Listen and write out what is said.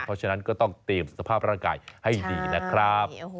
เพราะฉะนั้นก็ต้องเตรียมสภาพร่างกายให้ดีนะครับ